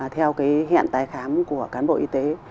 theo cái hẹn tái khám của cán bộ y tế